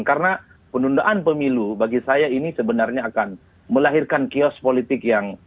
karena penundaan pemilu bagi saya ini sebenarnya akan melahirkan kiosk politik yang